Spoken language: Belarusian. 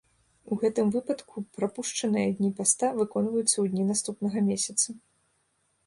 У гэтым выпадку прапушчаныя дні паста выконваюцца ў дні наступнага месяца.